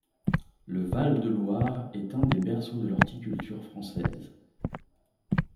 Le Val de Loire est un des berceaux de l’horticulture française.